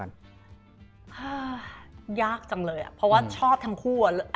ยากจังเลยอ่ะเพราะว่าชอบทั้งคู่อ่ะ